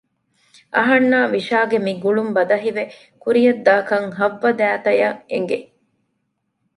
އަހަންނާ ވިޝާގެ މި ގުޅުން ބަދަހިވެ ކުރިޔަށްދާކަން ހައްވަ ދައިތައަށް އެނގެ